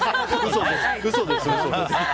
嘘です。